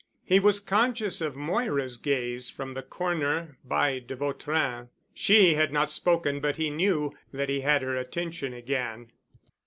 He was conscious of Moira's gaze from the corner by de Vautrin. She had not spoken but he knew that he had her attention again.